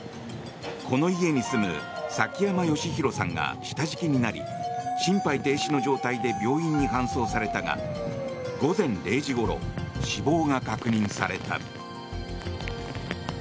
この家に住む崎山喜弘さんが下敷きになり心肺停止の状態で病院に搬送されたが午前０時ごろ死亡が確認された。